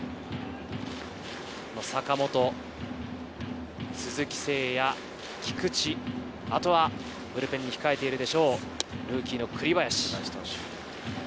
坂本、鈴木誠也、菊池、あとはブルペンに控えているでしょう、ルーキーの栗林。